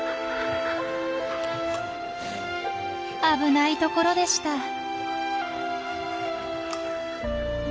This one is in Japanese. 危ないところでした。